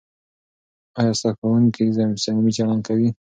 ایا ستا ښوونکی صمیمي چلند کوي؟